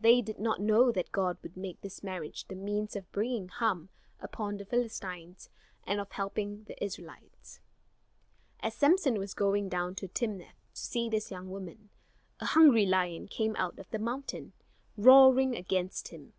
They did not know that God would make this marriage the means of bringing harm upon the Philistines and of helping the Israelites. As Samson was going down to Timnath to see this young woman, a hungry lion came out of the mountain, roaring against him.